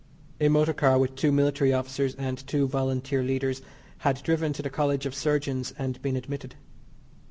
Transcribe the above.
A motor car with two military officers, and two Volunteer leaders had driven to the College of Surgeons and been admitted.